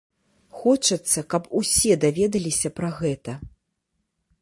Хочацца, каб усе даведаліся пра гэта.